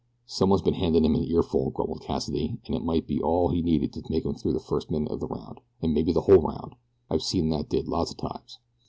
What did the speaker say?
"Someone's been handin' him an earful," grumbled Cassidy, "an' it might be all he needed to take 'im through the first minute of the round, and maybe the whole round I've seen that did lots o' times."